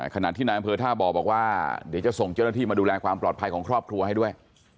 ขณะที่นายอำเภอท่าบ่อบอกว่าเดี๋ยวจะส่งเจ้าหน้าที่มาดูแลความปลอดภัยของครอบครัวให้ด้วย